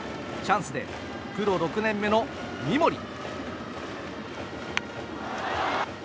チャンスでプロ６年目の三森。